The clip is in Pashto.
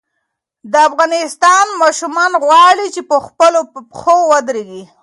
د افغانستان ماشومان غواړي چې په خپلو پښو ودرېږي.